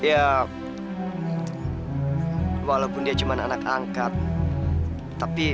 ya walaupun dia cuma anak angkat tapi